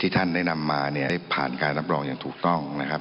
ท่านได้นำมาเนี่ยได้ผ่านการรับรองอย่างถูกต้องนะครับ